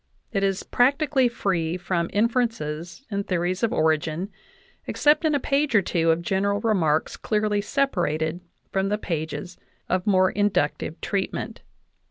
It is practically free from in ferences and theories of origin, except in a page or two of general remarks clearly separated from the pages of more in ductive treatment.